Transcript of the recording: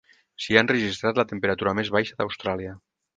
S'hi ha enregistrat la temperatura més baixa d'Austràlia.